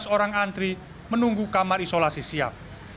lima belas orang antri menunggu kamar isolasi siap